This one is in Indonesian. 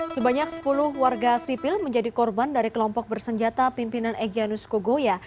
sebanyak sepuluh warga sipil menjadi korban dari kelompok bersenjata pimpinan egyanus kogoya